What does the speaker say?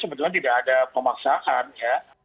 sebetulnya tidak ada pemaksaan ya